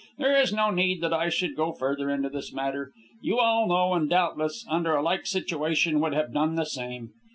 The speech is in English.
There is no need that I should go further into this matter. You all know, and doubtless, under a like situation, would have done the same.